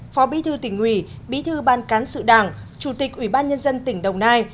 phó bí thư tỉnh ủy bí thư ban cán sự đảng chủ tịch ủy ban nhân dân tỉnh đồng nai